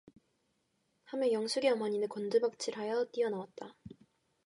하며 영숙의 어머니는 곤두박질을 하여 뛰어나왔다.